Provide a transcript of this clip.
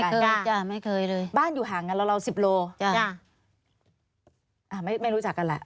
ไม่เคยไม่เคยเลยบ้านอยู่ห่างกันแล้วเราสิบโลจ้ะไม่ไม่รู้จักกันแหละ